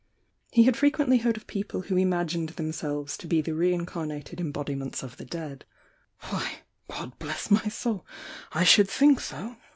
He had frequently heard of people who imagmed themselves to be the reincarnated embodunents of the dead. "Why, God bless my soul, I should think so!"